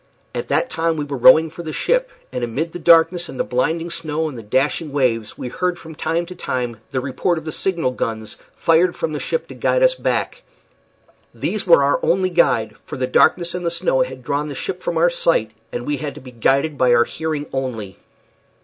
At that time we were rowing for the ship, and amid the darkness and the blinding snow and the dashing waves we heard from time to time the report of signal guns fired from the ship to guide us back. These were our only guide, for the darkness and the snow had drawn the ship from our sight, and we had to be guided by our hearing only.